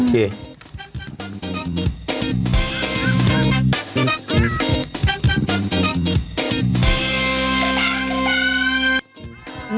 อืมโอเค